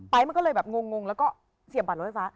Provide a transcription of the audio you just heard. มันก็เลยแบบงงแล้วก็เสียบบัตรรถไฟฟ้า